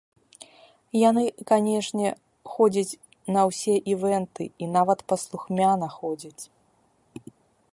Яны, канечне, ходзяць на ўсе івэнты, і нават паслухмяна ходзяць!